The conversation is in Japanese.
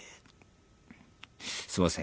すみません。